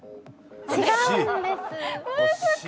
違うんです。